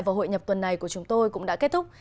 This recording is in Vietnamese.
và hội nhập tuần này của chúng tôi cũng đã kết thúc